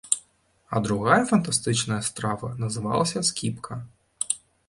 А другая фантастычная страва называлася скібка.